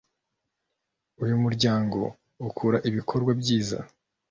uyu muryango ukora ibikorwa byiza.